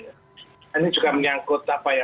ini juga menyangkut apa ya